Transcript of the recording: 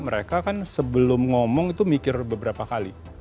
mereka kan sebelum ngomong itu mikir beberapa kali